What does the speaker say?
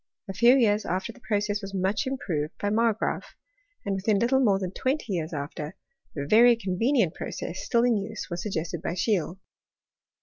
A few years aftef the process was much improved by Margraaf ; and, within little more than twenty years after, the very convenient process still in use was suggested by Scheele.